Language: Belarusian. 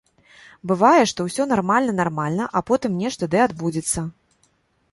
Бывае, што ўсё нармальна-нармальна, а потым нешта ды адбудзецца.